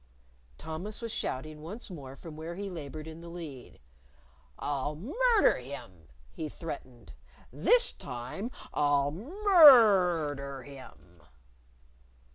Thomas was shouting once more from where he labored in the lead. "I'll murder him!" he threatened. "This time I'll mur r der him!"